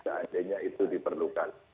seandainya itu diperlukan